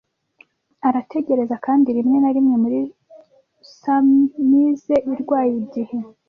Arategereza; kandi rimwe na rimwe muri surmise irwaye igihe